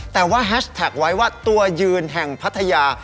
แต่ว่าแฮชแท็กไว้ว่าตัวยืนแห่งพัทยา